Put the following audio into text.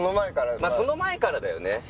その前からだよね